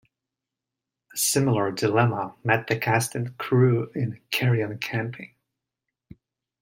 A similar dilemma met the cast and crew in "Carry On Camping".